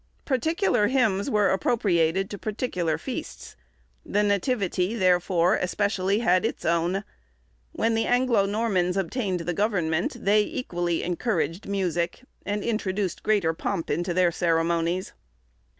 Particular hymns were appropriated to particular feasts; the Nativity, therefore, especially had its own. When the Anglo Normans obtained the government, they equally encouraged music, and introduced greater pomp into their ceremonies.